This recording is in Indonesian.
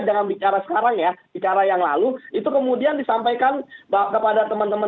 jangan bicara sekarang ya bicara yang lalu itu kemudian disampaikan kepada teman teman